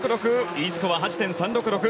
Ｅスコアは８．３６６。